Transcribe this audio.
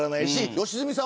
良純さん